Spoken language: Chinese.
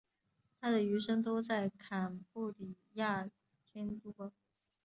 他的余生都在坎布里亚郡度过。